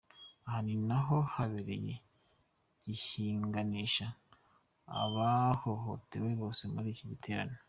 Aha ni naho yahereye yihanganisha abahohotewe bose muri iki gitaramo.